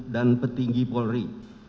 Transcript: dan petinggi polri